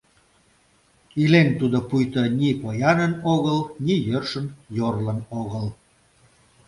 Илен тудо пуйто ни поянын огыл, ни йӧршын йорлын огыл.